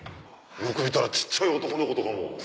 よく見たら小っちゃい男の子とかも。